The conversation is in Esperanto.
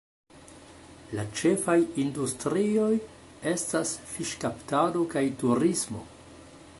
La ĉefaj industrioj estas fiŝkaptado kaj turismo.